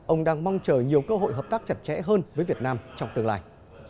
ông đang mong chờ nhiều cơ hội hợp tác chặt chẽ hơn với việt nam trong tương lai